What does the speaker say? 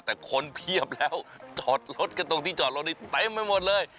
แต่คนเพียบแล้วจอดรถกันตรงที่จอดรถนี้เต็มไปหมดเลย